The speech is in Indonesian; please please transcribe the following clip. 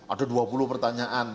ada dua puluh pertanyaan